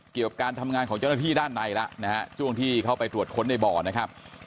การทำงานของเจ้าหน้าที่ด้านในแล้วนะฮะช่วงที่เข้าไปตรวจค้นในบ่อนะครับ